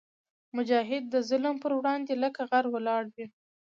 مجاهد د ظلم پر وړاندې لکه غر ولاړ وي.